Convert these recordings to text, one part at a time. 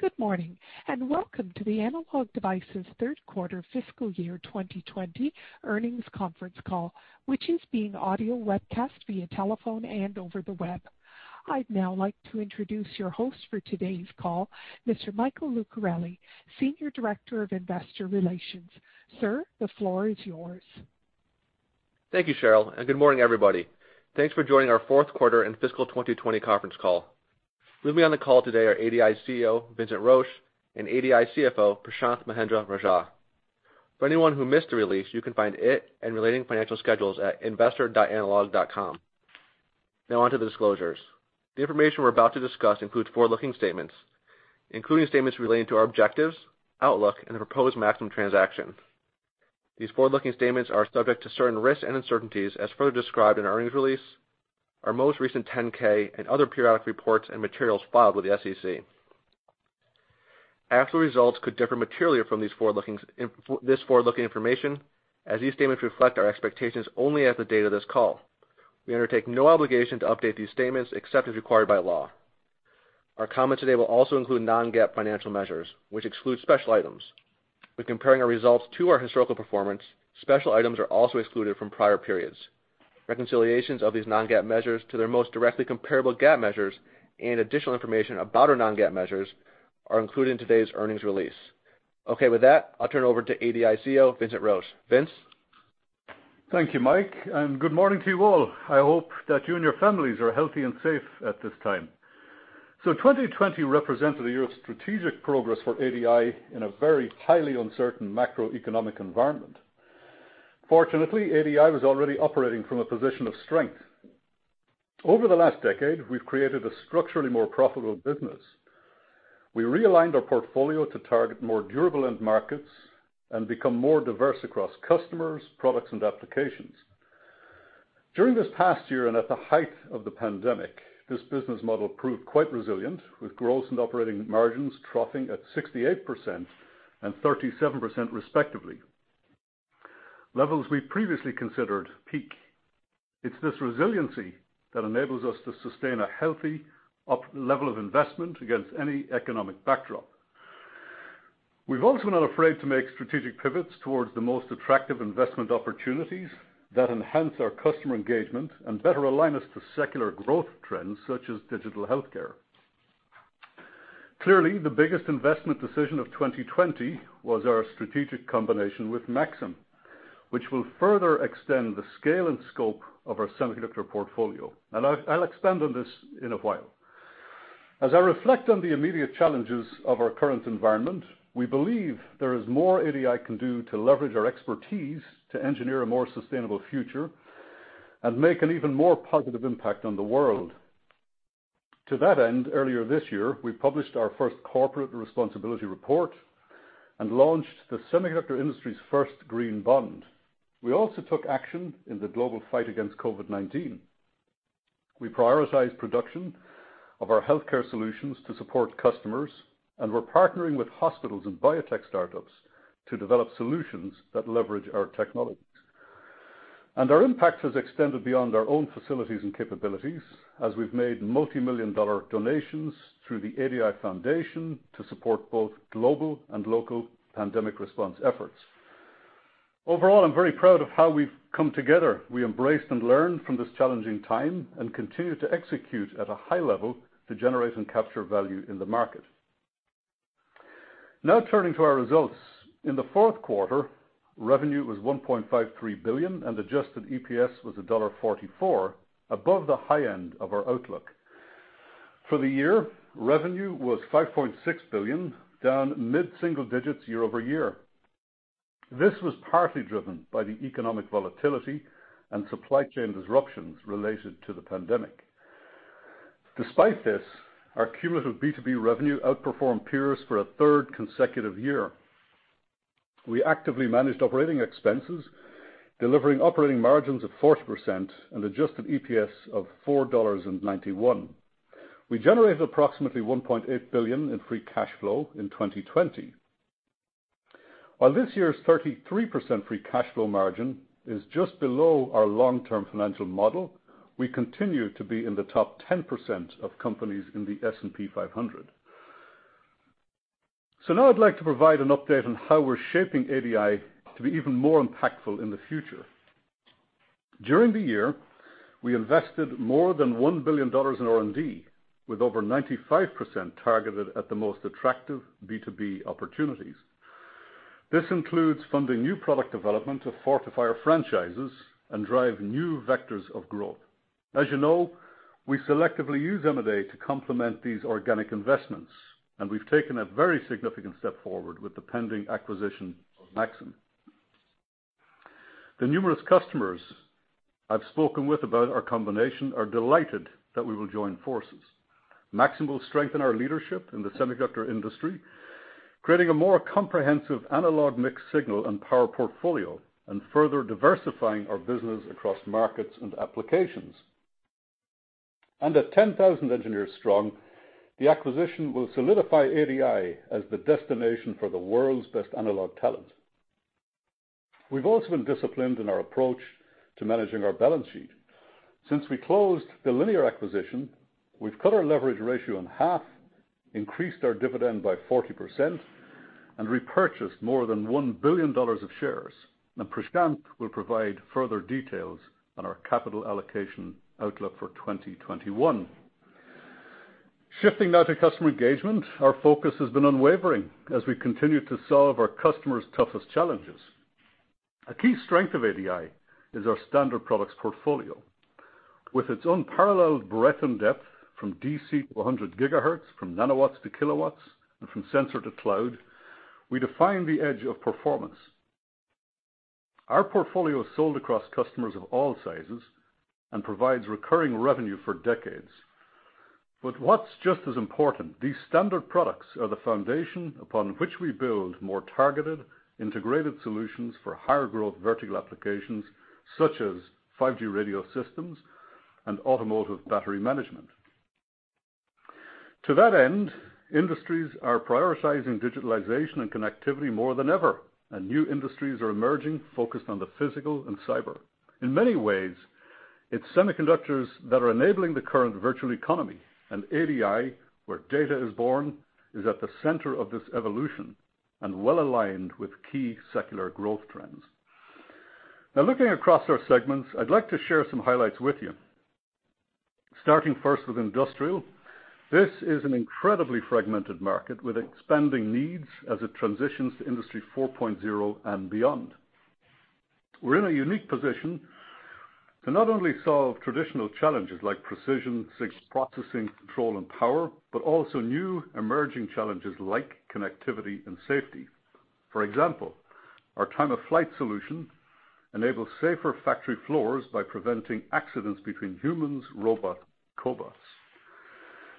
Good morning, welcome to the Analog Devices third quarter fiscal year 2020 earnings conference call, which is being audio webcast via telephone and over the web. I'd now like to introduce your host for today's call, Mr. Michael Lucarelli, Senior Director of Investor Relations. Sir, the floor is yours. Thank you, Cheryl, and good morning, everybody. Thanks for joining our fourth quarter and fiscal 2020 conference call. Leading me on the call today are ADI's CEO, Vincent Roche, and ADI's CFO, Prashanth Mahendra-Rajah. For anyone who missed the release, you can find it and relating financial schedules at investor.analog.com. Now on to the disclosures. The information we're about to discuss includes forward-looking statements, including statements relating to our objectives, outlook, and the proposed Maxim transaction. These forward-looking statements are subject to certain risks and uncertainties as further described in our earnings release, our most recent 10-K, and other periodic reports and materials filed with the SEC. Actual results could differ materially from this forward-looking information, as these statements reflect our expectations only as of the date of this call. We undertake no obligation to update these statements except as required by law. Our comments today will also include non-GAAP financial measures, which exclude special items. When comparing our results to our historical performance, special items are also excluded from prior periods. Reconciliations of these non-GAAP measures to their most directly comparable GAAP measures and additional information about our non-GAAP measures are included in today's earnings release. Okay with that, I'll turn over to ADI CEO, Vincent Roche. Vince? Thank you, Mike, and good morning to you all. I hope that you and your families are healthy and safe at this time. 2020 represented a year of strategic progress for ADI in a very highly uncertain macroeconomic environment. Fortunately, ADI was already operating from a position of strength. Over the last decade, we've created a structurally more profitable business. We realigned our portfolio to target more durable end markets and become more diverse across customers, products, and applications. During this past year and at the height of the pandemic, this business model proved quite resilient, with gross and operating margins troughing at 68% and 37%, respectively, levels we previously considered peak. It's this resiliency that enables us to sustain a healthy level of investment against any economic backdrop. We've also not afraid to make strategic pivots towards the most attractive investment opportunities that enhance our customer engagement and better align us to secular growth trends such as digital healthcare. Clearly, the biggest investment decision of 2020 was our strategic combination with Maxim, which will further extend the scale and scope of our semiconductor portfolio, and I'll expand on this in a while. As I reflect on the immediate challenges of our current environment, we believe there is more ADI can do to leverage our expertise to engineer a more sustainable future and make an even more positive impact on the world. To that end, earlier this year, we published our first corporate responsibility report and launched the semiconductor industry's first green bond. We also took action in the global fight against COVID-19. We prioritized production of our healthcare solutions to support customers. We're partnering with hospitals and biotech startups to develop solutions that leverage our technologies. Our impact has extended beyond our own facilities and capabilities as we've made multi-million dollar donations through the ADI Foundation to support both global and local pandemic response efforts. Overall, I'm very proud of how we've come together. We embraced and learned from this challenging time and continue to execute at a high level to generate and capture value in the market. Now turning to our results. In the fourth quarter, revenue was $1.53 billion and adjusted EPS was $1.44, above the high end of our outlook. For the year, revenue was $5.6 billion, down mid-single digits year-over-year. This was partly driven by the economic volatility and supply chain disruptions related to the pandemic. Despite this, our cumulative B2B revenue outperformed peers for a third consecutive year. We actively managed operating expenses, delivering operating margins of 40% and adjusted EPS of $4.91. We generated approximately $1.8 billion in free cash flow in 2020. While this year's 33% free cash flow margin is just below our long-term financial model, we continue to be in the top 10% of companies in the S&P 500. Now I'd like to provide an update on how we're shaping ADI to be even more impactful in the future. During the year, we invested more than $1 billion in R&D, with over 95% targeted at the most attractive B2B opportunities. This includes funding new product development to fortify our franchises and drive new vectors of growth. As you know, we selectively use M&A to complement these organic investments, and we've taken a very significant step forward with the pending acquisition of Maxim. The numerous customers I've spoken with about our combination are delighted that we will join forces. Maxim will strengthen our leadership in the semiconductor industry, creating a more comprehensive analog mixed signal and power portfolio and further diversifying our business across markets and applications. At 10,000 engineers strong, the acquisition will solidify ADI as the destination for the world's best analog talent. We've also been disciplined in our approach to managing our balance sheet. Since we closed the Linear acquisition, we've cut our leverage ratio in half, increased our dividend by 40%, and repurchased more than $1 billion of shares. Prashanth will provide further details on our capital allocation outlook for 2021. Shifting now to customer engagement, our focus has been unwavering as we continue to solve our customers' toughest challenges. A key strength of ADI is our standard products portfolio. With its unparalleled breadth and depth from DC to 100 GHz, from nanowatts to kilowatts, and from sensor to cloud, we define the edge of performance. Our portfolio is sold across customers of all sizes and provides recurring revenue for decades. What's just as important, these standard products are the foundation upon which we build more targeted, integrated solutions for higher growth vertical applications such as 5G radio systems and automotive battery management. To that end, industries are prioritizing digitalization and connectivity more than ever, and new industries are emerging focused on the physical and cyber. In many ways, it's semiconductors that are enabling the current virtual economy. ADI, where data is born, is at the center of this evolution and well-aligned with key secular growth trends. Looking across our segments, I'd like to share some highlights with you. Starting first with Industrial. This is an incredibly fragmented market with expanding needs as it transitions to Industry 4.0 and beyond. We're in a unique position to not only solve traditional challenges like precision, signal processing, control, and power, but also new emerging challenges like connectivity and safety. For example, our time-of-flight solution enables safer factory floors by preventing accidents between humans, robots,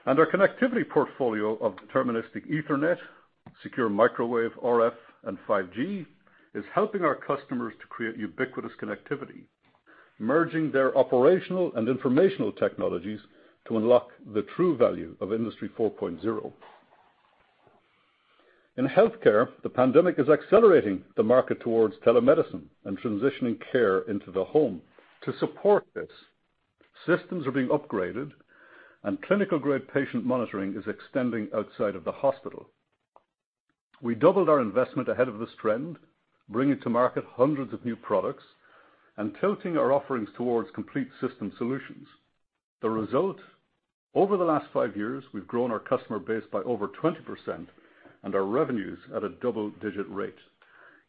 and cobots. Our connectivity portfolio of deterministic Ethernet, secure microwave RF, and 5G is helping our customers to create ubiquitous connectivity, merging their operational and informational technologies to unlock the true value of Industry 4.0. In Healthcare, the pandemic is accelerating the market towards telemedicine and transitioning care into the home. To support this, systems are being upgraded and clinical-grade patient monitoring is extending outside of the hospital. We doubled our investment ahead of this trend, bringing to market hundreds of new products and tilting our offerings towards complete system solutions. The result? Over the last five years, we've grown our customer base by over 20% and our revenues at a double-digit rate,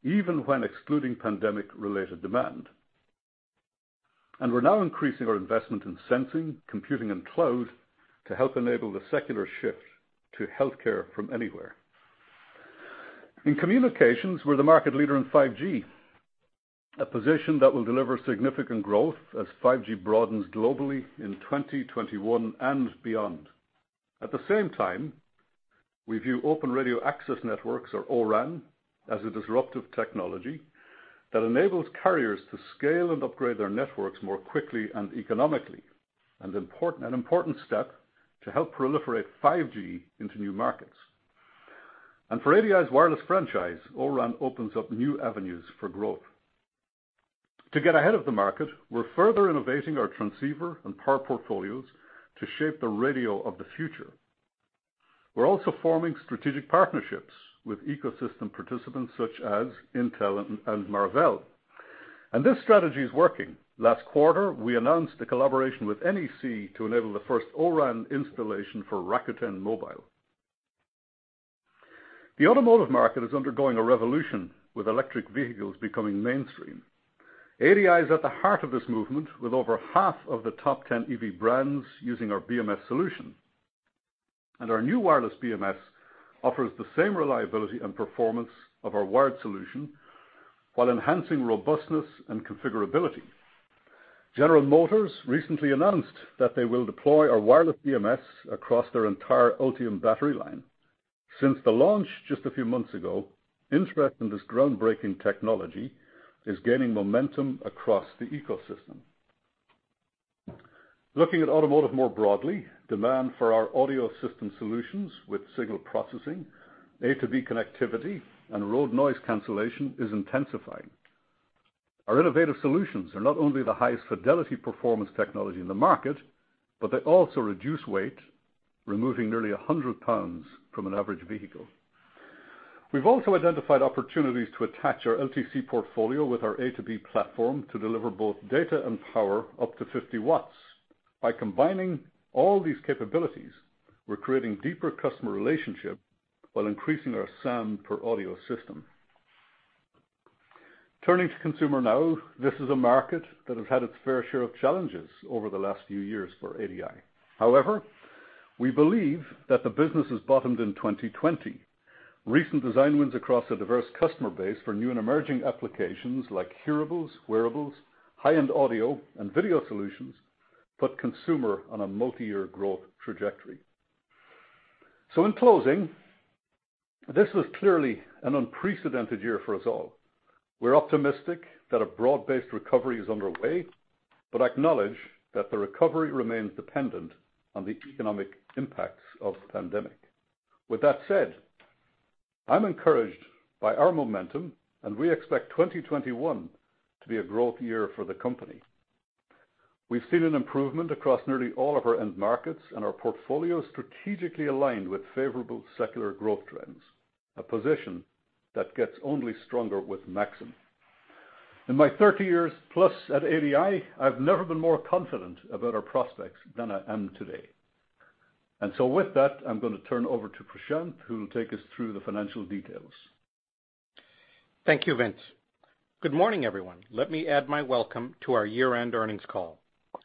even when excluding pandemic-related demand. We're now increasing our investment in sensing, computing, and cloud to help enable the secular shift to healthcare from anywhere. In communications, we're the market leader in 5G, a position that will deliver significant growth as 5G broadens globally in 2021 and beyond. At the same time, we view open radio access networks, or O-RAN, as a disruptive technology that enables carriers to scale and upgrade their networks more quickly and economically, an important step to help proliferate 5G into new markets. For ADI's wireless franchise, O-RAN opens up new avenues for growth. To get ahead of the market, we're further innovating our transceiver and power portfolios to shape the radio of the future. We're also forming strategic partnerships with ecosystem participants such as Intel and Marvell. This strategy is working. Last quarter, we announced a collaboration with NEC to enable the first O-RAN installation for Rakuten Mobile. The automotive market is undergoing a revolution, with electric vehicles becoming mainstream. ADI is at the heart of this movement with over half of the top 10 EV brands using our BMS solution. Our new wireless BMS offers the same reliability and performance of our wired solution while enhancing robustness and configurability. General Motors recently announced that they will deploy our wireless BMS across their entire Ultium battery line. Since the launch just a few months ago, interest in this groundbreaking technology is gaining momentum across the ecosystem. Looking at automotive more broadly, demand for our audio system solutions with signal processing, A2B connectivity, and road noise cancellation is intensifying. Our innovative solutions are not only the highest fidelity performance technology in the market, but they also reduce weight, removing nearly 100 lbs from an average vehicle. We've also identified opportunities to attach our LTC portfolio with our A2B platform to deliver both data and power up to 50 W. By combining all these capabilities, we're creating deeper customer relationships while increasing our SAM per audio system. Turning to consumer now, this is a market that has had its fair share of challenges over the last few years for ADI. However, we believe that the business has bottomed in 2020. Recent design wins across a diverse customer base for new and emerging applications like hearables, wearables, high-end audio, and video solutions put consumer on a multiyear growth trajectory. In closing, this was clearly an unprecedented year for us all. We're optimistic that a broad-based recovery is underway but acknowledge that the recovery remains dependent on the economic impacts of the pandemic. With that said, I'm encouraged by our momentum, and we expect 2021 to be a growth year for the company. We've seen an improvement across nearly all of our end markets and our portfolio strategically aligned with favorable secular growth trends, a position that gets only stronger with Maxim. In my 30+ years at ADI, I've never been more confident about our prospects than I am today. With that, I'm going to turn over to Prashanth, who will take us through the financial details. Thank you, Vince. Good morning, everyone. Let me add my welcome to our year-end earnings call.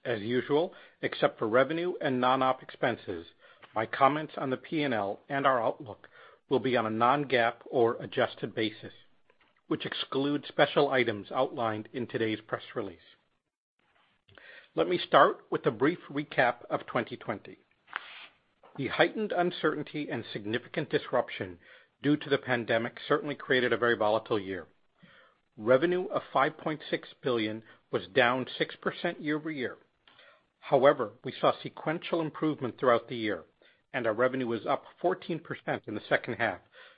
As usual, except for revenue and non-op expenses, my comments on the P&L and our outlook will be on a non-GAAP or adjusted basis, which excludes special items outlined in today's press release. Let me start with a brief recap of 2020. The heightened uncertainty and significant disruption due to the pandemic certainly created a very volatile year. Revenue of $5.6 billion was down 6% year-over-year. However, we saw sequential improvement throughout the year, and our revenue was up 14% in the second half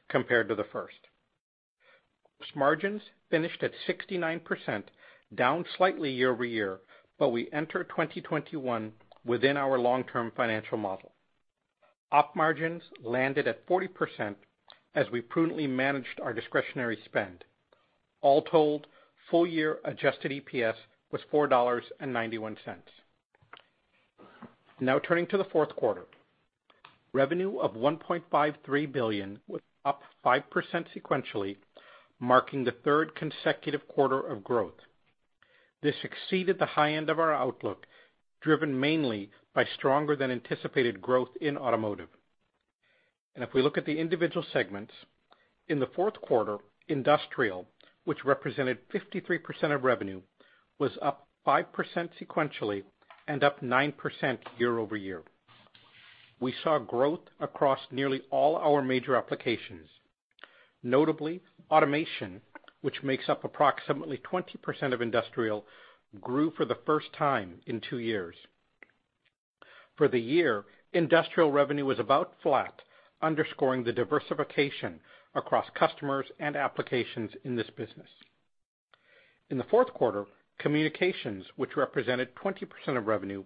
compared to the first. Gross margins finished at 69%, down slightly year-over-year, but we enter 2021 within our long-term financial model. Op margins landed at 40% as we prudently managed our discretionary spend. All told, full year adjusted EPS was $4.91. Now turning to the fourth quarter. Revenue of $1.53 billion was up 5% sequentially, marking the third consecutive quarter of growth. This exceeded the high end of our outlook, driven mainly by stronger than anticipated growth in Automotive. If we look at the individual segments, in the fourth quarter, Industrial, which represented 53% of revenue, was up 5% sequentially and up 9% year-over-year. We saw growth across nearly all our major applications. Notably, Automation, which makes up approximately 20% of Industrial, grew for the first time in two years. For the year, Industrial revenue was about flat, underscoring the diversification across customers and applications in this business. In the fourth quarter, Communications, which represented 20% of revenue,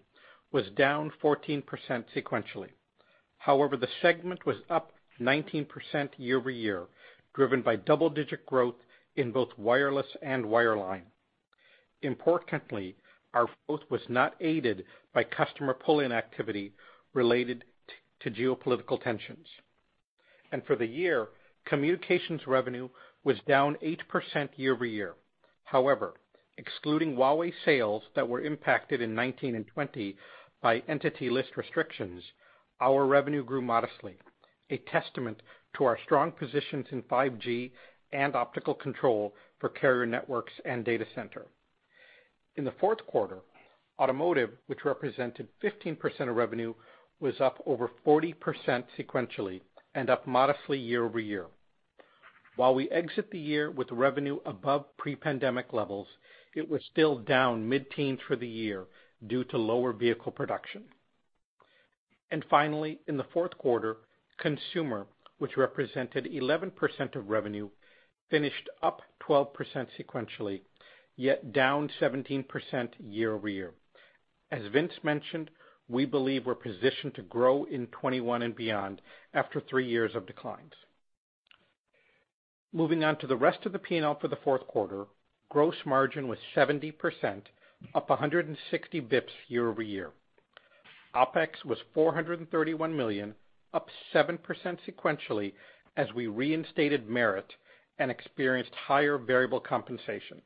was down 14% sequentially. However, the segment was up 19% year-over-year, driven by double-digit growth in both wireless and wireline. Importantly, our growth was not aided by customer pull-in activity related to geopolitical tensions. For the year, communications revenue was down 8% year-over-year. However, excluding Huawei sales that were impacted in 2019 and 2020 by Entity List restrictions, our revenue grew modestly, a testament to our strong positions in 5G and optical control for carrier networks and data center. In the fourth quarter, automotive, which represented 15% of revenue, was up over 40% sequentially and up modestly year-over-year. While we exit the year with revenue above pre-pandemic levels, it was still down mid-teens for the year due to lower vehicle production. Finally, in the fourth quarter, Consumer, which represented 11% of revenue, finished up 12% sequentially, yet down 17% year-over-year. As Vince mentioned, we believe we're positioned to grow in 2021 and beyond after three years of declines. Moving on to the rest of the P&L for the fourth quarter, gross margin was 70%, up 160 basis points year-over-year. OpEx was $431 million, up 7% sequentially as we reinstated merit and experienced higher variable compensation.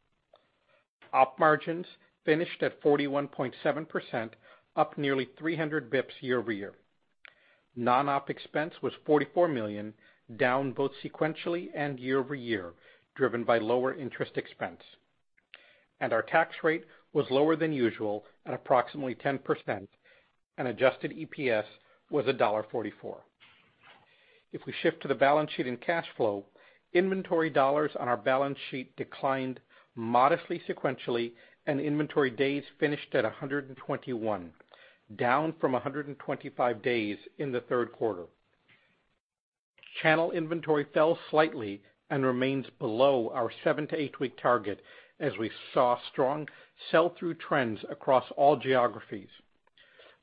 Op margins finished at 41.7%, up nearly 300 basis points year-over-year. Non-op expense was $44 million, down both sequentially and year-over-year, driven by lower interest expense. Our tax rate was lower than usual at approximately 10%, and adjusted EPS was $1.44. If we shift to the balance sheet and cash flow, inventory dollars on our balance sheet declined modestly sequentially, and inventory days finished at 121, down from 125 days in the third quarter. Channel inventory fell slightly and remains below our seven to eight-week target as we saw strong sell-through trends across all geographies.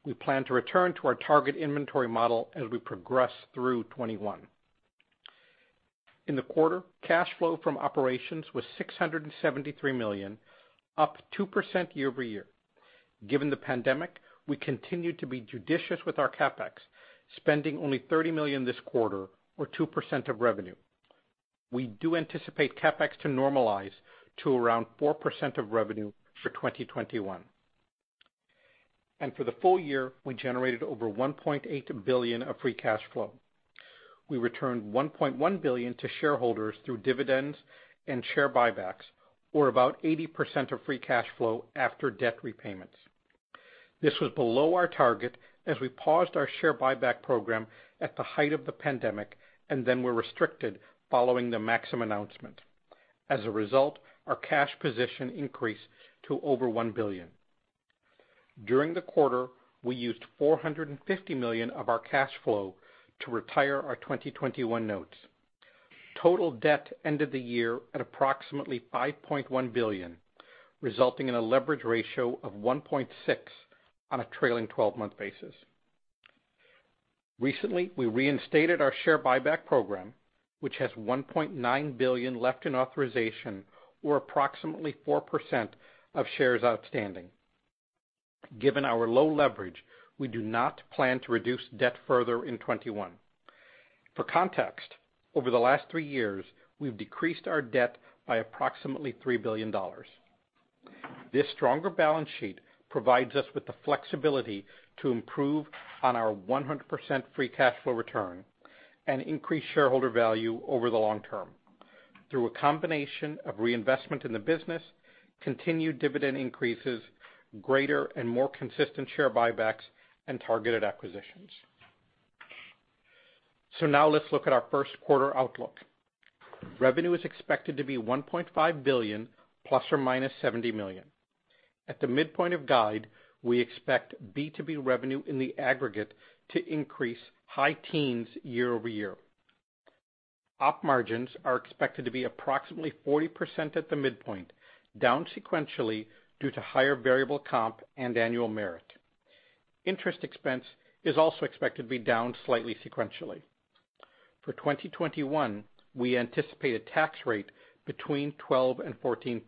We plan to return to our target inventory model as we progress through 2021. In the quarter, cash flow from operations was $673 million, up 2% year-over-year. Given the pandemic, we continued to be judicious with our CapEx, spending only $30 million this quarter or 2% of revenue. We do anticipate CapEx to normalize to around 4% of revenue for 2021. For the full year, we generated over $1.8 billion of free cash flow. We returned $1.1 billion to shareholders through dividends and share buybacks, or about 80% of free cash flow after debt repayments. This was below our target as we paused our share buyback program at the height of the pandemic and then were restricted following the Maxim announcement. As a result, our cash position increased to over $1 billion. During the quarter, we used $450 million of our cash flow to retire our 2021 notes. Total debt ended the year at approximately $5.1 billion, resulting in a leverage ratio of 1.6 on a trailing 12-month basis. Recently, we reinstated our share buyback program, which has $1.9 billion left in authorization or approximately 4% of shares outstanding. Given our low leverage, we do not plan to reduce debt further in 2021. For context, over the last three years, we've decreased our debt by approximately $3 billion. This stronger balance sheet provides us with the flexibility to improve on our 100% free cash flow return and increase shareholder value over the long term through a combination of reinvestment in the business, continued dividend increases, greater and more consistent share buybacks, and targeted acquisitions. Now let's look at our first quarter outlook. Revenue is expected to be $1.5 billion ±$70 million. At the midpoint of guide, we expect B2B revenue in the aggregate to increase high teens year-over-year. Op margins are expected to be approximately 40% at the midpoint, down sequentially due to higher variable comp and annual merit. Interest expense is also expected to be down slightly sequentially. For 2021, we anticipate a tax rate between 12% and 14%.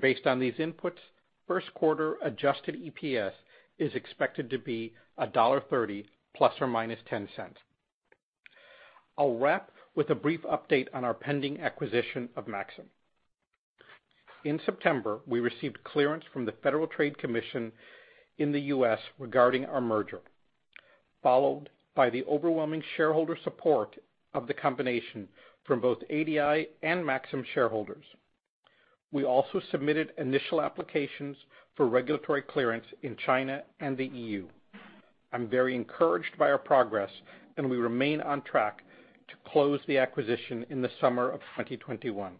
Based on these inputs, first quarter adjusted EPS is expected to be $1.30 ±$0.10. I'll wrap with a brief update on our pending acquisition of Maxim. In September, we received clearance from the Federal Trade Commission in the U.S. regarding our merger, followed by the overwhelming shareholder support of the combination from both ADI and Maxim shareholders. We also submitted initial applications for regulatory clearance in China and the EU. I'm very encouraged by our progress, and we remain on track to close the acquisition in the summer of 2021.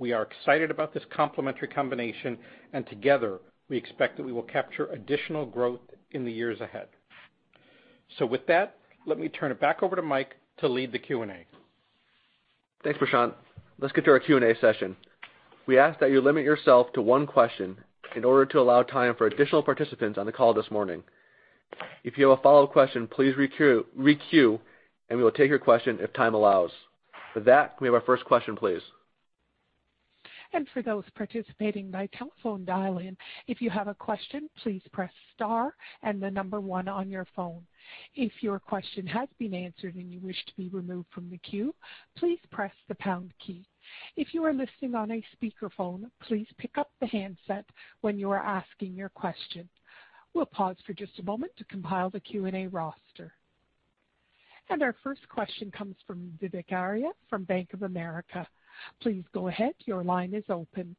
We are excited about this complementary combination, and together we expect that we will capture additional growth in the years ahead. With that, let me turn it back over to Mike to lead the Q&A. Thanks, Prashanth. Let's get to our Q&A session. We ask that you limit yourself to one question in order to allow time for additional participants on the call this morning. If you have a follow-up question, please re-queue, and we will take your question if time allows. With that, may we have our first question, please. For those participating by telephone dial-in, if you have a question, please press star and the number one on your phone. If your question has been answered and you wish to be removed from the queue, please press the pound key. If you are listening on a speakerphone, please pick up the handset when you are asking your question. We'll pause for just a moment to compile the Q&A roster. Our first question comes from Vivek Arya from Bank of America. Please go ahead. Your line is open.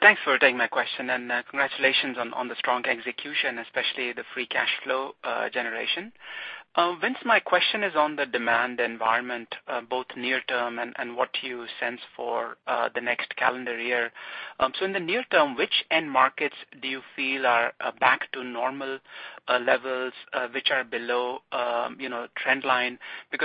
Thanks for taking my question. Congratulations on the strong execution, especially the free cash flow generation. Vince, my question is on the demand environment, both near term and what you sense for the next calendar year. In the near term, which end markets do you feel are back to normal levels, which are below trend line?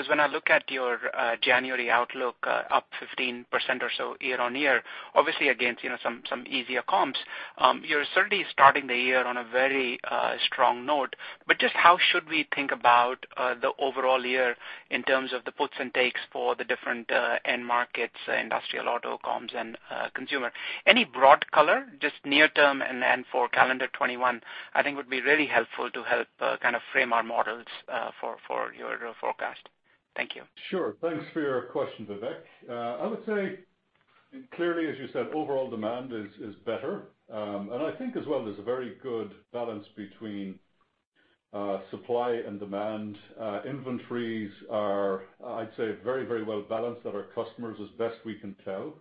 When I look at your January outlook, up 15% or so year-over-year, obviously against some easier comps. You're certainly starting the year on a very strong note. Just how should we think about the overall year in terms of the puts and takes for the different end markets, industrial, auto, comms, and consumer? Any broad color, just near term and then for calendar 2021, I think would be really helpful to help kind of frame our models for your forecast. Thank you. Sure. Thanks for your question, Vivek. I would say clearly, as you said, overall demand is better. I think as well, there's a very good balance between supply and demand. Inventories are, I'd say, very well-balanced at our customers as best we can tell.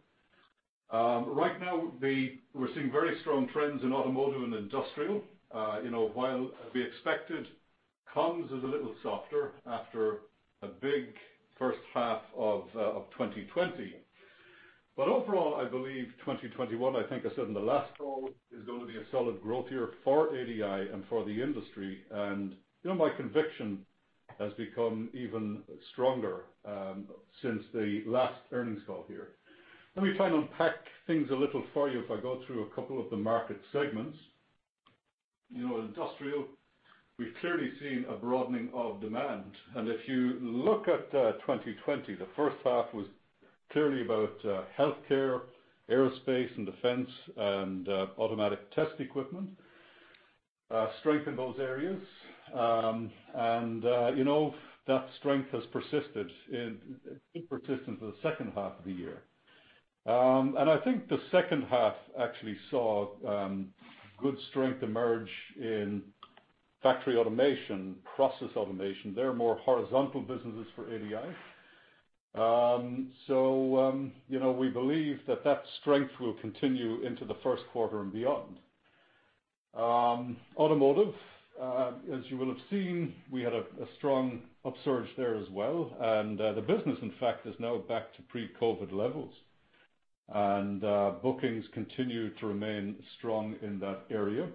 Right now, we're seeing very strong trends in automotive and industrial. While to be expected, comms is a little softer after a big first half of 2020. But overall, I believe 2021, I think I said in the last call, is going to be a solid growth year for ADI and for the industry. My conviction has become even stronger since the last earnings call here. Let me try and unpack things a little for you if I go through a couple of the market segments. Industrial, we've clearly seen a broadening of demand. If you look at 2020, the first half was clearly about healthcare, aerospace, and defense, and automatic test equipment. Strength in those areas. That strength has persisted in the second half of the year. I think the second half actually saw good strength emerge in factory automation, process automation. They're more horizontal businesses for ADI. We believe that strength will continue into the first quarter and beyond. Automotive, as you will have seen, we had a strong upsurge there as well. The business, in fact, is now back to pre-COVID levels. Bookings continue to remain strong in that area.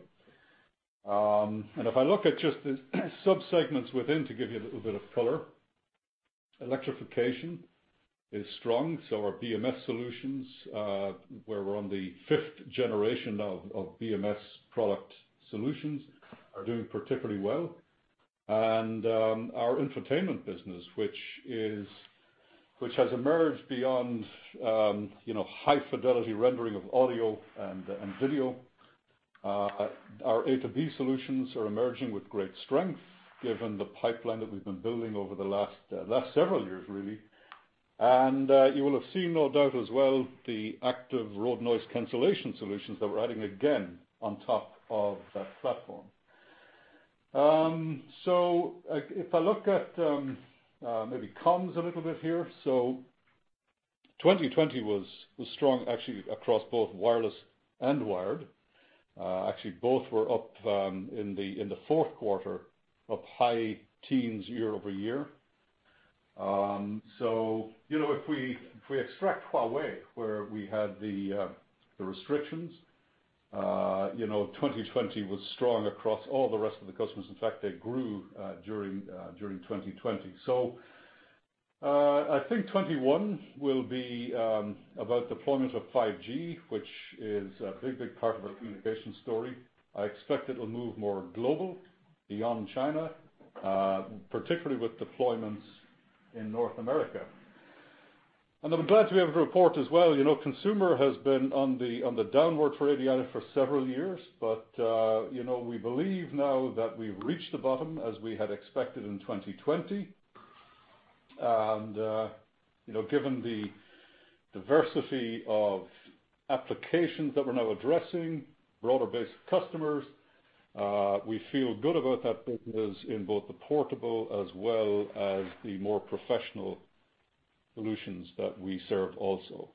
If I look at just the sub-segments within, to give you a little bit of color, electrification is strong. Our BMS solutions, where we're on the fifth generation of BMS product solutions, are doing particularly well. Our infotainment business, which has emerged beyond high fidelity rendering of audio and video. Our A2B solutions are emerging with great strength given the pipeline that we've been building over the last several years, really. You will have seen no doubt as well, the active road noise cancellation solutions that we're adding again on top of that platform. If I look at maybe comms a little bit here. 2020 was strong actually across both wireless and wired. Actually, both were up in the fourth quarter, up high teens year-over-year. If we extract Huawei, where we had the restrictions, 2020 was strong across all the rest of the customers. In fact, they grew during 2020. I think 2021 will be about deployment of 5G, which is a big part of our communication story. I expect it'll move more global beyond China, particularly with deployments in North America. I'm glad to be able to report as well, consumer has been on the downward for ADI for several years, we believe now that we've reached the bottom as we had expected in 2020. Given the diversity of applications that we're now addressing, broader base of customers, we feel good about that business in both the portable as well as the more professional solutions that we serve also.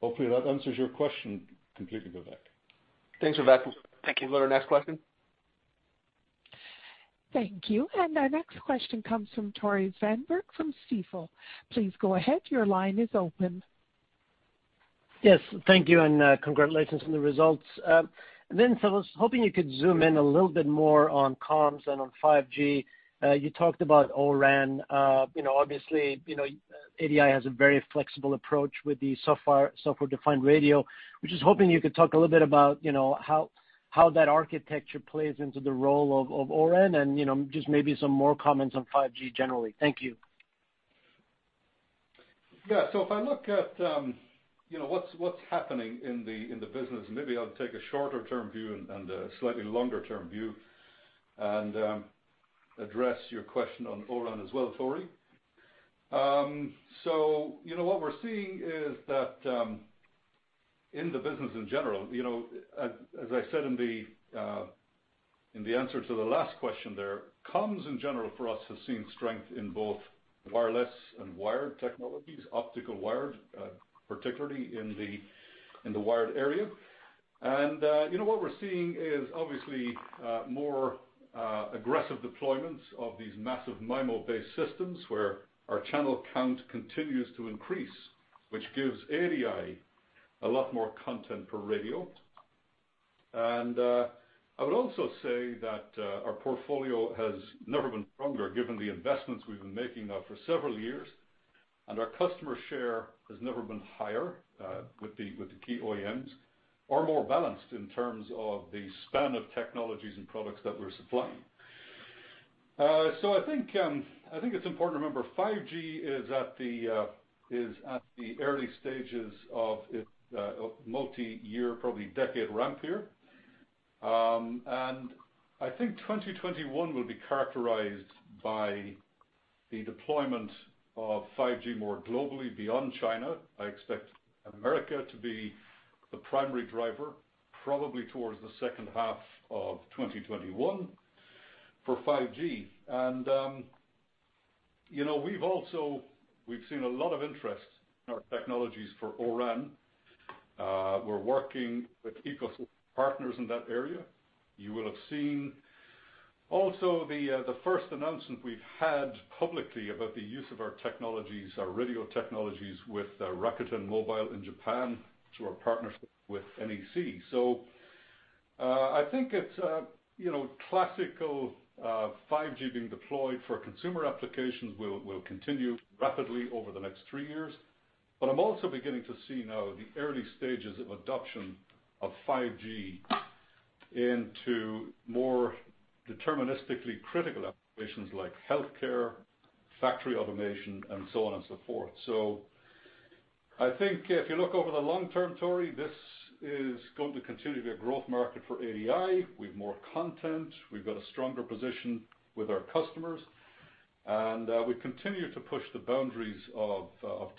Hopefully that answers your question completely, Vivek. Thanks, Vivek. Thank you. Can we go to our next question? Thank you. Our next question comes from Tore Svanberg from Stifel. Please go ahead, your line is open. Yes. Thank you, and congratulations on the results. Vince, I was hoping you could zoom in a little bit more on comms and on 5G. You talked about O-RAN. Obviously, ADI has a very flexible approach with the Software Defined Radio. We're just hoping you could talk a little bit about how that architecture plays into the role of O-RAN and just maybe some more comments on 5G generally. Thank you. If I look at what's happening in the business, maybe I'll take a shorter term view and a slightly longer term view and address your question on O-RAN as well, Tore. What we're seeing is that in the business in general, as I said in the answer to the last question there, comms in general for us has seen strength in both wireless and wired technologies, optical wired, particularly in the wired area. What we're seeing is obviously more aggressive deployments of these massive MIMO-based systems where our channel count continues to increase, which gives ADI a lot more content for radio. I would also say that our portfolio has never been stronger given the investments we've been making now for several years. Our customer share has never been higher with the key OEMs or more balanced in terms of the span of technologies and products that we're supplying. I think it's important to remember 5G is at the early stages of its multi-year, probably decade ramp here. I think 2021 will be characterized by the deployment of 5G more globally beyond China. I expect America to be the primary driver probably towards the second half of 2021 for 5G. We've seen a lot of interest in our technologies for O-RAN. We're working with ecosystem partners in that area. You will have seen also the first announcement we've had publicly about the use of our radio technologies with Rakuten Mobile in Japan through our partnership with NEC. I think classical 5G being deployed for consumer applications will continue rapidly over the next three years. I'm also beginning to see now the early stages of adoption of 5G into more deterministically critical applications like healthcare, factory automation, and so on and so forth. I think if you look over the long term, Tory, this is going to continue to be a growth market for ADI. We've more content, we've got a stronger position with our customers, and we continue to push the boundaries of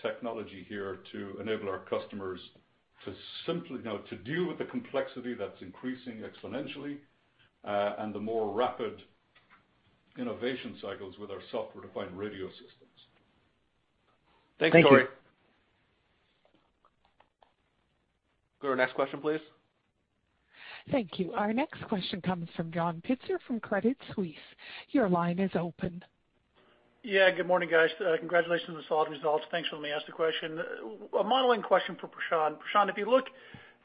technology here to enable our customers to deal with the complexity that's increasing exponentially, and the more rapid innovation cycles with our Software Defined Radio system. Thanks, Tore. Thank you. Go to our next question, please. Thank you. Our next question comes from John Pitzer from Credit Suisse. Your line is open. Yeah, good morning, guys. Congratulations on the solid results. Thanks for letting me ask the question. A modeling question for Prashanth. Prashanth, if you look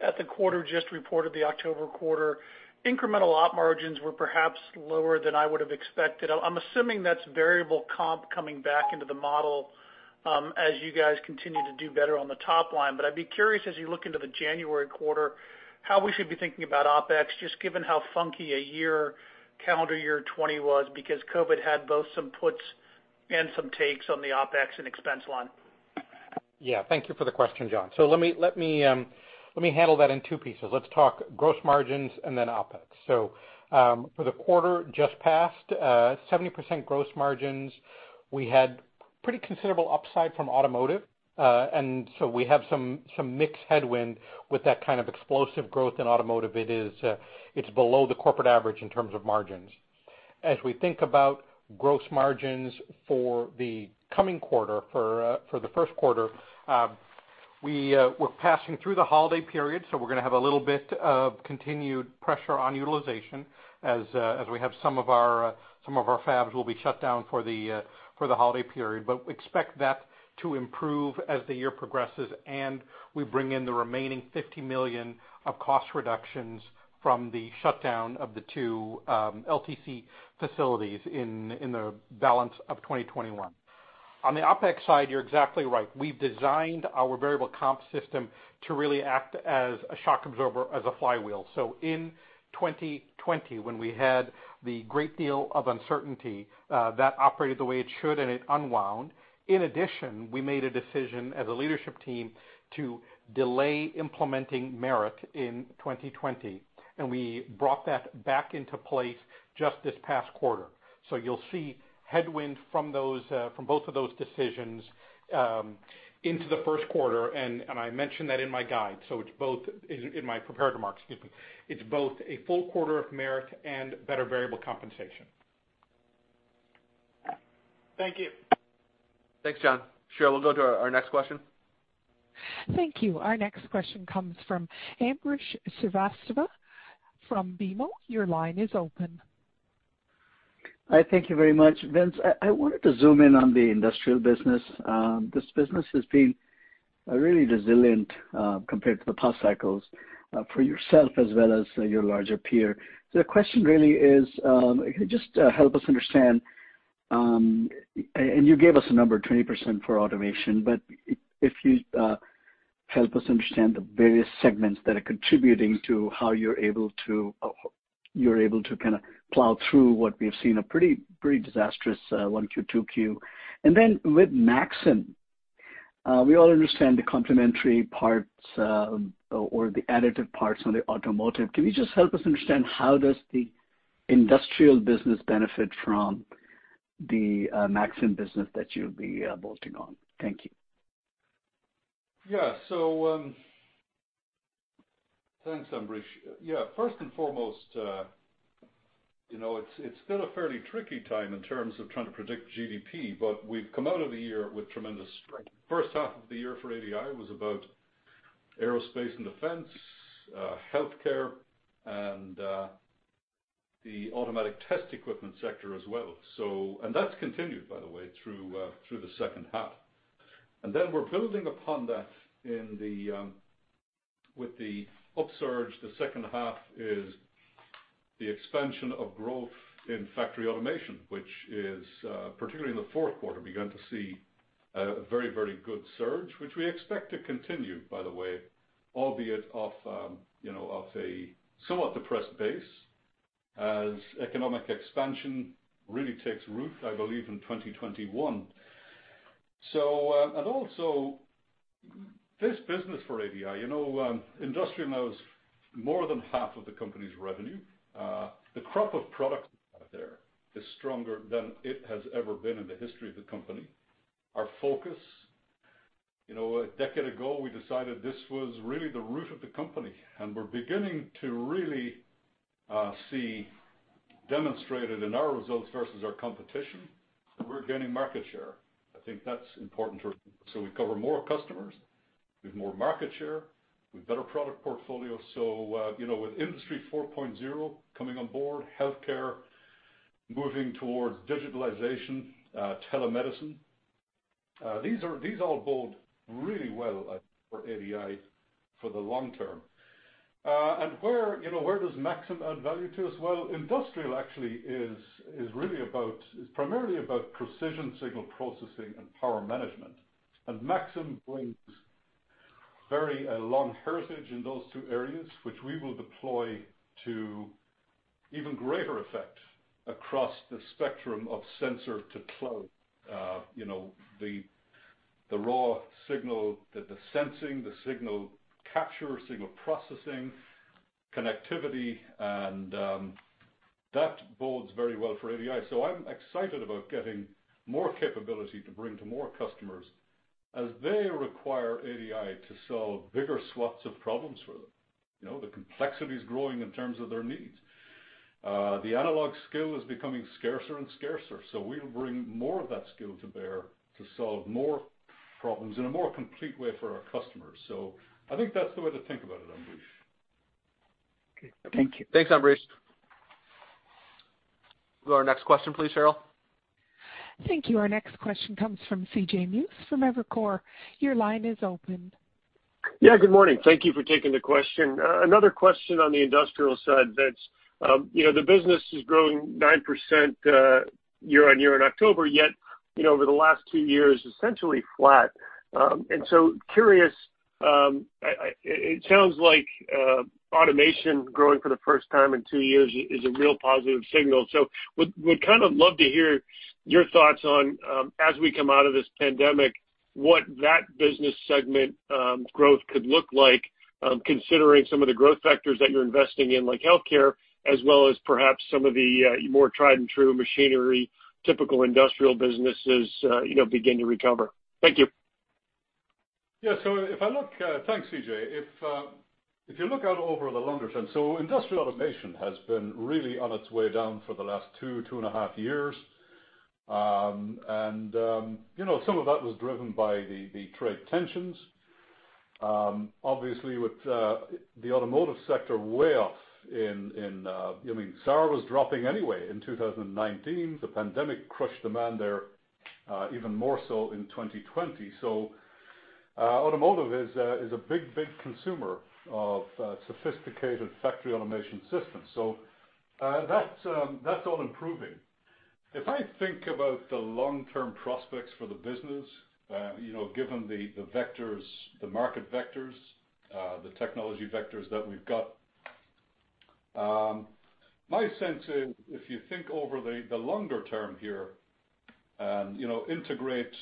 at the quarter just reported, the October quarter, incremental op margins were perhaps lower than I would've expected. I'm assuming that's variable comp coming back into the model as you guys continue to do better on the top line. I'd be curious as you look into the January quarter, how we should be thinking about OpEx, just given how funky a calendar year 2020 was because COVID had both some puts and some takes on the OpEx and expense line. Yeah. Thank you for the question, John. Let me handle that in two pieces. Let's talk gross margins and then OpEx. For the quarter just passed, 70% gross margins, we had pretty considerable upside from automotive. We have some mixed headwind with that kind of explosive growth in automotive. It's below the corporate average in terms of margins. As we think about gross margins for the coming quarter, for the first quarter, we're passing through the holiday period, we're going to have a little bit of continued pressure on utilization as we have some of our fabs will be shut down for the holiday period. Expect that to improve as the year progresses, and we bring in the remaining $50 million of cost reductions from the shutdown of the two LTC facilities in the balance of 2021. On the OpEx side, you're exactly right. We've designed our variable comp system to really act as a shock absorber, as a flywheel. In 2020, when we had the great deal of uncertainty, that operated the way it should, and it unwound. In addition, we made a decision as a leadership team to delay implementing merit in 2020, and we brought that back into place just this past quarter. You'll see headwind from both of those decisions into the first quarter, and I mentioned that in my guide, in my prepared remarks, excuse me. It's both a full quarter of merit and better variable compensation. Thank you. Thanks, John. Cheryl, we'll go to our next question. Thank you. Our next question comes from Ambrish Srivastava from BMO. Hi. Thank you very much. Vince, I wanted to zoom in on the industrial business. This business has been really resilient, compared to the past cycles, for yourself as well as your larger peer. The question really is, can you just help us understand, and you gave us a number, 20% for automation, but if you help us understand the various segments that are contributing to how you're able to kind of plow through what we have seen a pretty disastrous 1Q, 2Q. With Maxim, we all understand the complementary parts, or the additive parts on the automotive. Can you just help us understand how does the industrial business benefit from the Maxim business that you'll be bolting on? Thank you. Yeah. Thanks, Ambrish. First and foremost, it's still a fairly tricky time in terms of trying to predict GDP. We've come out of the year with tremendous strength. First half of the year for ADI was about aerospace and defense, healthcare, and the automatic test equipment sector as well. That's continued, by the way, through the second half. We're building upon that with the upsurge. The second half is the expansion of growth in factory automation, which is, particularly in the fourth quarter, begun to see a very good surge, which we expect to continue, by the way, albeit off a somewhat depressed base, as economic expansion really takes root, I believe, in 2021. This business for ADI, industrial now is more than half of the company's revenue. The crop of products out there is stronger than it has ever been in the history of the company. Our focus, a decade ago, we decided this was really the root of the company, we're beginning to really see demonstrated in our results versus our competition that we're gaining market share. I think that's important to remember. We cover more customers with more market share, with better product portfolio. With Industry 4.0 coming on board, healthcare moving towards digitalization, telemedicine, these all bode really well, I think, for ADI for the long term. Where does Maxim add value to us? Industrial actually is primarily about precision signal processing and power management. Maxim brings a very long heritage in those two areas, which we will deploy to even greater effect across the spectrum of sensor to cloud. You know, the raw signal, the sensing, the signal capture, signal processing, connectivity. That bodes very well for ADI. So, I'm excited about getting more capability to bring to more customers as they require ADI to solve bigger swaths of problems for them. The complexity is growing in terms of their needs. The analog skill is becoming scarcer and scarcer. So, we'll bring more of that skill to bear to solve more problems in a more complete way for our customers. I think that's the way to think about it, Ambrish. Okay. Thank you. Thanks, Ambrish. Go to our next question, please, Cheryl. Thank you. Our next question comes from CJ Muse from Evercore. Your line is open. Yeah, good morning. Thank you for taking the question. Another question on the industrial side that's the business is growing 9% year-over-year in October, yet over the last two years, essentially flat. Curious, it sounds like automation growing for the first time in two years is a real positive signal. Would kind of love to hear your thoughts on, as we come out of this pandemic, what that business segment growth could look like considering some of the growth vectors that you're investing in, like healthcare, as well as perhaps some of the more tried and true machinery, typical industrial businesses begin to recover. Thank you. Yeah. Thanks, CJ. Industrial automation has been really on its way down for the last two and a half years. Some of that was driven by the trade tensions. Obviously with the automotive sector way off. I mean, car was dropping anyway in 2019. The pandemic crushed demand there even more so in 2020. Automotive is a big consumer of sophisticated factory automation systems. That's all improving. If I think about the long-term prospects for the business given the market vectors, the technology vectors that we've got. My sense is, if you think over the longer term here and integrate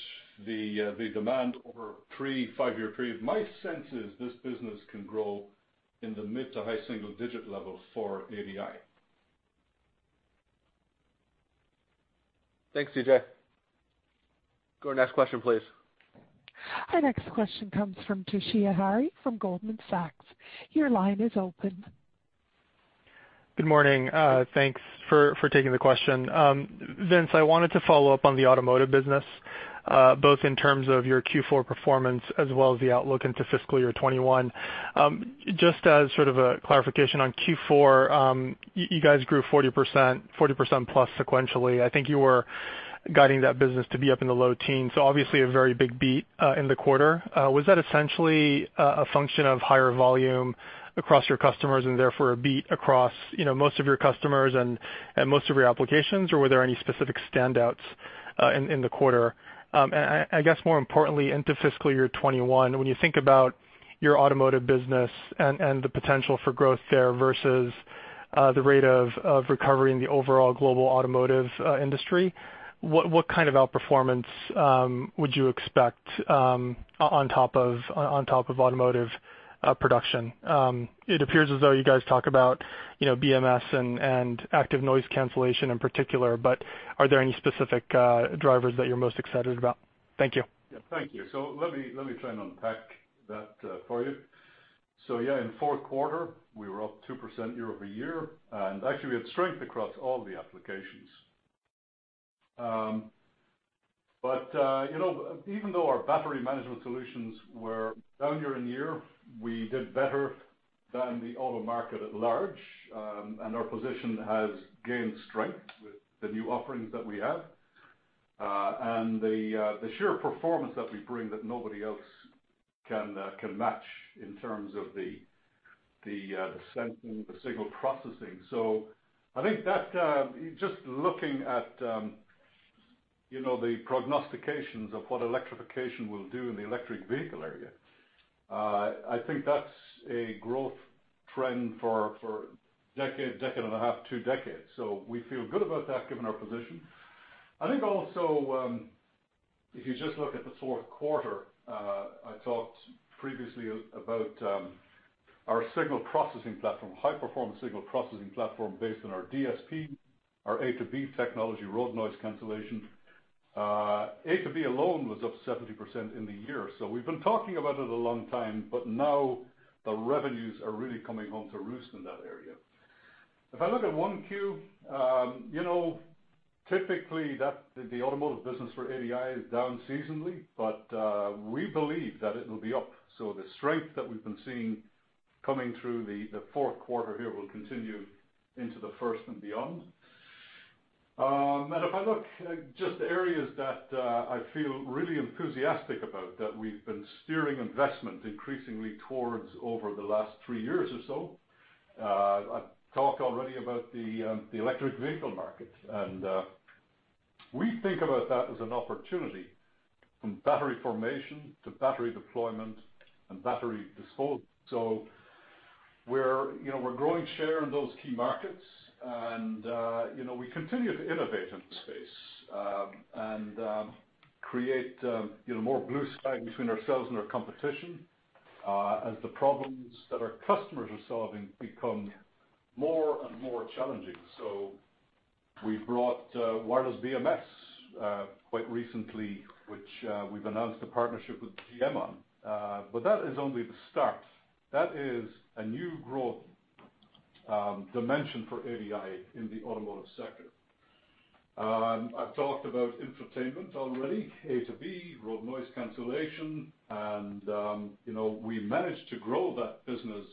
the demand over three, five-year period, my sense is this business can grow in the mid to high single digit level for ADI. Thanks, CJ. Go to next question, please. Our next question comes from Toshiya Hari from Goldman Sachs. Your line is open. Good morning. Thanks for taking the question. Vince, I wanted to follow up on the automotive business, both in terms of your Q4 performance as well as the outlook into fiscal year 2021. Just as sort of a clarification on Q4, you guys grew 40%+ sequentially. I think you were guiding that business to be up in the low teens. Obviously a very big beat in the quarter. Was that essentially a function of higher volume across your customers and therefore a beat across most of your customers and most of your applications? Were there any specific standouts in the quarter? I guess more importantly, into fiscal year 2021, when you think about your automotive business and the potential for growth there versus the rate of recovery in the overall global automotive industry, what kind of outperformance would you expect on top of automotive production? It appears as though you guys talk about BMS and active noise cancellation in particular, but are there any specific drivers that you're most excited about? Thank you. Yeah, thank you. Let me try and unpack that for you. Yeah, in fourth quarter, we were up 2% year-over-year, and actually we had strength across all the applications. Even though our battery management solutions were down year-on-year, we did better than the auto market at large. Our position has gained strength with the new offerings that we have. The sheer performance that we bring that nobody else can match in terms of the sensing, the signal processing. I think just looking at the prognostications of what electrification will do in the electric vehicle area I think that's a growth trend for decade and a half, two decades. We feel good about that given our position. I think also if you just look at the fourth quarter, I talked previously about our signal processing platform, high-performance signal processing platform based on our DSP, our A2B technology, road noise cancellation. A2B alone was up 70% in the year. We've been talking about it a long time, but now the revenues are really coming home to roost in that area. If I look at 1Q, typically the automotive business for ADI is down seasonally, but we believe that it'll be up. The strength that we've been seeing coming through the fourth quarter here will continue into the first and beyond. If I look just areas that I feel really enthusiastic about, that we've been steering investment increasingly towards over the last three years or so. I've talked already about the electric vehicle market, and we think about that as an opportunity from battery formation to battery deployment and battery disposal. We're growing share in those key markets and we continue to innovate in the space and create more blue sky between ourselves and our competition as the problems that our customers are solving become more and more challenging. We've brought wireless BMS quite recently, which we've announced a partnership with GM on. That is only the start. That is a new growth dimension for ADI in the automotive sector. I've talked about infotainment already, A2B, road noise cancellation, and we managed to grow that business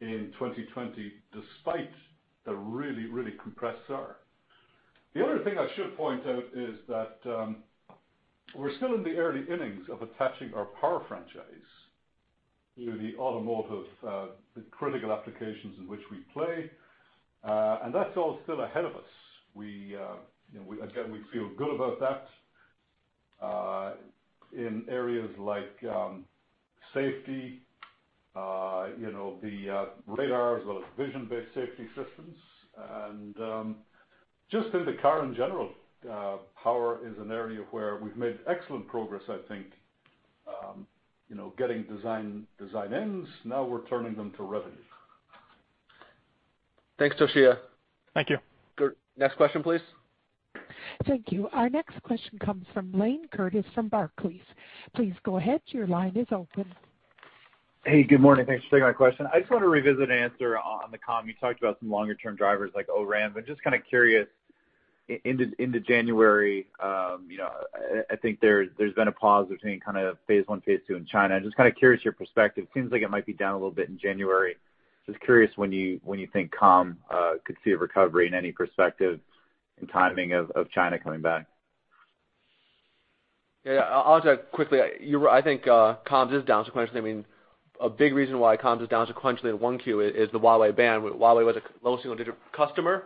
in 2020 despite the really compressed SAR. The other thing I should point out is that we're still in the early innings of attaching our power franchise to the automotive critical applications in which we play. That's all still ahead of us. Again, we feel good about that, in areas like safety, the radars, as well as vision-based safety systems and just in the car in general. Power is an area where we've made excellent progress, I think, getting design ins, now we're turning them to revenue. Thanks, Toshiya. Thank you. Good. Next question, please. Thank you. Our next question comes from Blayne Curtis from Barclays. Please go ahead. Your line is open. Hey, good morning. Thanks for taking my question. I just want to revisit an answer on the comm. You talked about some longer-term drivers like O-RAN, but just kind of curious, into January, I think there's been a pause between kind of phase I, phase II in China. Just kind of curious your perspective. Seems like it might be down a little bit in January. Just curious when you think comm could see a recovery and any perspective and timing of China coming back. I'll address that quickly. I think comms is down sequentially. A big reason why comms is down sequentially in 1Q is the Huawei ban. Huawei was a low single-digit customer,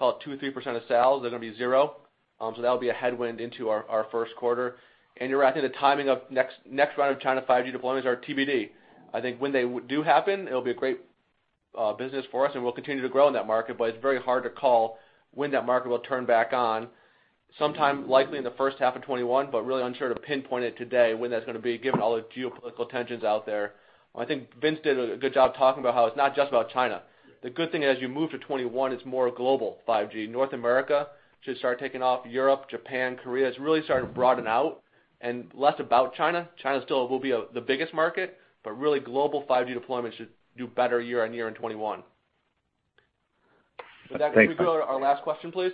call it 2% or 3% of sales. They're going to be zero. That'll be a headwind into our first quarter. You're right, I think the timing of next round of China 5G deployments are TBD. I think when they do happen, it'll be a great business for us and we'll continue to grow in that market, but it's very hard to call when that market will turn back on. Sometime likely in the first half of 2021, but really unsure to pinpoint it today when that's going to be, given all the geopolitical tensions out there. I think Vince did a good job talking about how it's not just about China. The good thing is you move to 2021, it's more global 5G. North America should start taking off, Europe, Japan, Korea. It's really starting to broaden out and less about China. China still will be the biggest market, really global 5G deployment should do better year-over-year in 2021. Thanks. With that, can we go to our last question, please?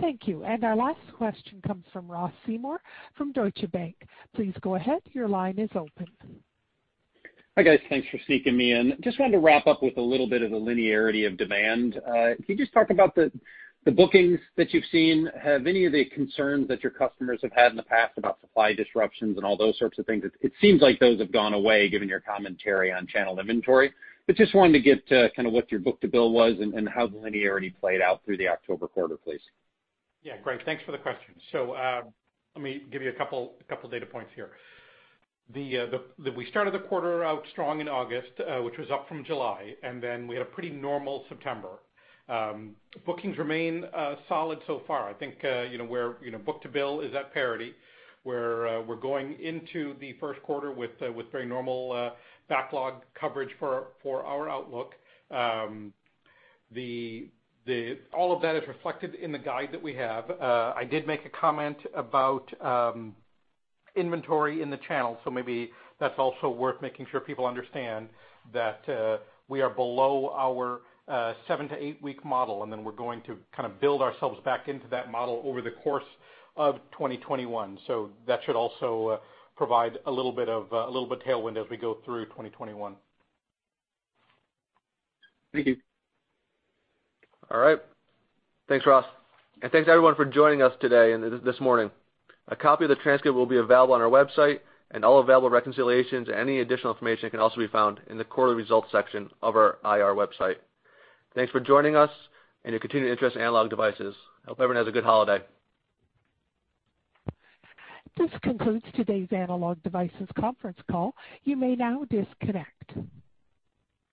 Thank you. Our last question comes from Ross Seymore from Deutsche Bank. Please go ahead. Your line is open. Hi, guys. Thanks for sneaking me in. Just wanted to wrap up with a little bit of the linearity of demand. Can you just talk about the bookings that you've seen? Have any of the concerns that your customers have had in the past about supply disruptions and all those sorts of things, it seems like those have gone away given your commentary on channel inventory, but just wanted to get to kind of what your book-to-bill was and how the linearity played out through the October quarter, please. Yeah, great. Thanks for the question. Let me give you a couple data points here. We started the quarter out strong in August, which was up from July, and then we had a pretty normal September. Bookings remain solid so far. I think book-to-bill is at parity, where we are going into the first quarter with very normal backlog coverage for our outlook. All of that is reflected in the guide that we have. I did make a comment about inventory in the channel, so maybe that is also worth making sure people understand that we are below our seven to eight-week model, and then we are going to kind of build ourselves back into that model over the course of 2021. That should also provide a little bit of tailwind as we go through 2021. Thank you. All right. Thanks, Ross, and thanks everyone for joining us today and this morning. A copy of the transcript will be available on our website and all available reconciliations and any additional information can also be found in the Quarterly Results section of our IR website. Thanks for joining us and your continued interest in Analog Devices. Hope everyone has a good holiday. This concludes today's Analog Devices conference call. You may now disconnect.